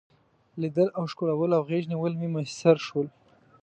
لیدل او ښکلول او غیږ نیول مې میسر شول.